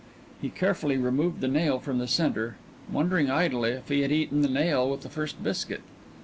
He carefully removed the nail from the centre, wondering idly if he had eaten the nail with the first biscuit.